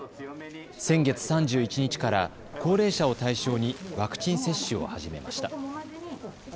先月３１日から高齢者を対象にワクチン接種を始めました。